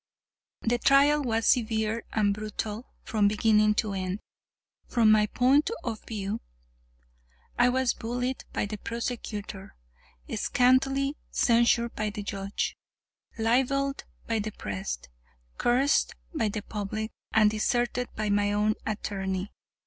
The trial was severe and brutal from beginning to end, from my point of view. I was bullied by the prosecutor, scathingly censured by the judge, libeled by the press, cursed by the public, and deserted by my own attorney.